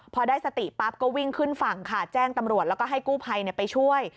พอได้สติปั๊บก็วิ่งขึ้นฝั่งค่ะแจ้งตำรวจแล้วก็ให้กู้ภัยไปช่วย